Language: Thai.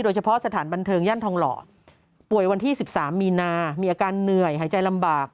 โดยเฉพาะสถานบันเทิงย่านทองหล่อ